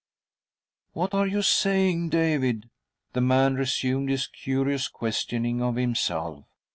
" What are you saying, David ?" The mart resumed his curious questioning of himself.